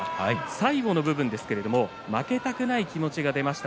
最後の部分ですけど負けたくない気持ちが出ました